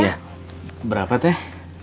ya berapa teh